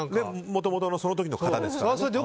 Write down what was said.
もともとのその時の方ですからね。